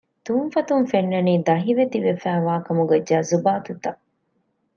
ތުންފަތުން ފެންނަނީ ދަހިވެތި ވެފައިވާކަމުގެ ޖަޒުބާތުތައް